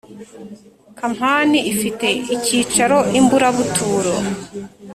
Kampani ifite icyicaro i Mburabuturo